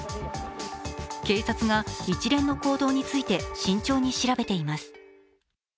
警察が一連の行動について慎重に調べています。